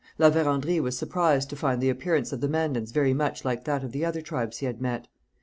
La Vérendrye was surprised to find the appearance of the Mandans very much like that of the other tribes he had met.